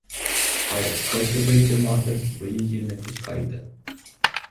А як схоче вийти мати, ви її не пускайте.